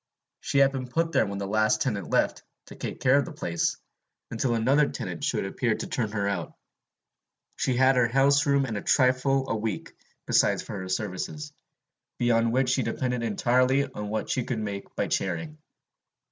She had been put there when the last tenant left, to take care of the place, until another tenant should appear to turn her out. She had her houseroom and a trifle a week besides for her services, beyond which she depended entirely on what she could make by charing.